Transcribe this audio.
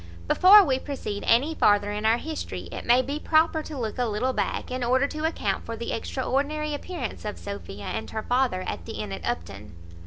Before we proceed any farther in our history, it may be proper to look a little back, in order to account for the extraordinary appearance of Sophia and her father at the inn at Upton.